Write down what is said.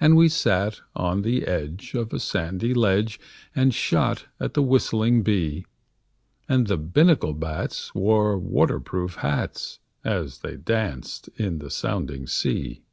And we sat on the edge of a sandy ledge And shot at the whistling bee; And the Binnacle bats wore water proof hats As they danced in the sounding sea.